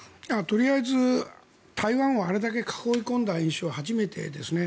とりあえず台湾をあれだけ囲い込んだ演習は初めてですね。